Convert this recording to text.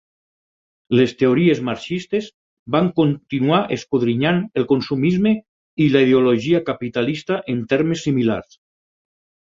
Les teories marxistes van continuar escodrinyant el consumisme i la ideologia capitalista en termes similars.